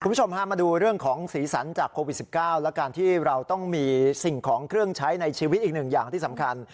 คุณผู้ชมพามาดูเรื่องของสีสันจากโควิด๑๙และการที่เราต้องมีสิ่งของเครื่องใช้ในชีวิตอีกหนึ่งอย่างที่สำคัญ